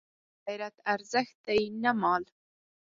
غیرت ارزښت دی نه مال